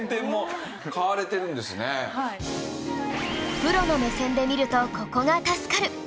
プロの目線で見るとここが助かる！